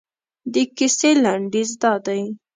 د کیسې لنډیز دادی.